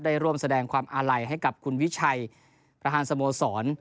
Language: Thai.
ร่วมแสดงความอาลัยให้กับคุณวิชัยประธานสโมสร